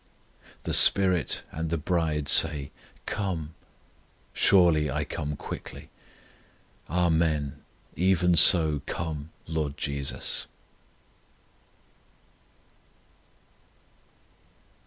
The SPIRIT and the bride say, Come! ... Surely I come quickly. Amen; even so, come, LORD JESUS!